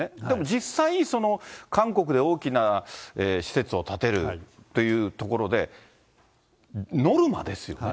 実際、韓国で大きな施設を建てるというところで、ノルマですよね。